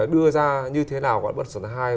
đưa ra như thế nào của bất động sản thứ hai